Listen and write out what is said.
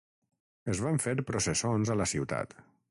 Es van fer processons a la ciutat.